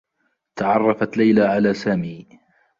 تعرّفت ليلى على سامي.